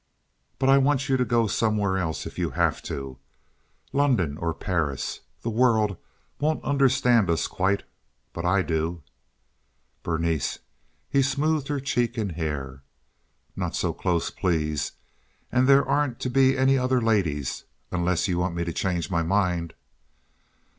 But I want you to go somewhere else if you have to—London or Paris. The world won't understand us quite—but I do." "Berenice!" He smothered her cheek and hair. "Not so close, please. And there aren't to be any other ladies, unless you want me to change my mind."